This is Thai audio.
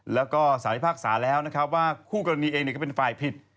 และสาริภาคสารแล้วว่าคู่กรณีเองเป็นไฟล์ผิด